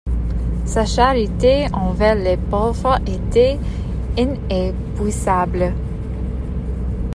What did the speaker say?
Sa charité envers les pauvres était inépuisable.